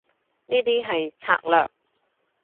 呢啲係策略